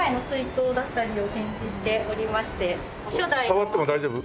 触っても大丈夫？